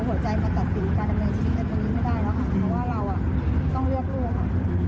ไม่ใช่มีทำร้ายเด็กได้ค่ะ